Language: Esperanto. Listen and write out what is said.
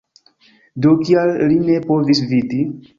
Do, kial li ne povis vidi?